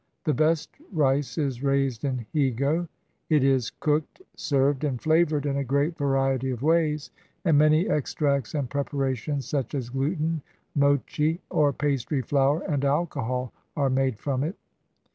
The best rice is raised in Higo. It is cooked, served, and flavored in a great variety of ways, and many extracts and preparations, such as gluten, mochi, or pastry flour, and alcohol, are made from it.